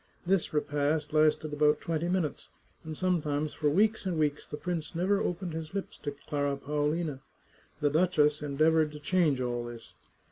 This repast lasted about twenty minutes, and sometimes for weeks and weeks the prince never opened his lips to Clara Paolina. The duchess endeavoured to change all this.